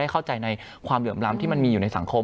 เพราะฉะนั้นทำไมถึงต้องทำภาพจำในโรงเรียนให้เหมือนกัน